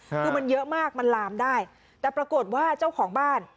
คือมันเยอะมากมันลามได้แต่ปรากฏว่าเจ้าของบ้าน